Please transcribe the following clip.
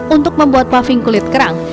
untuk membuat paving kulit kerang